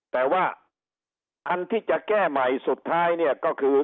แต่ว่าอันที่จะแก้ใหม่สุดท้ายเนี่ยก็คือ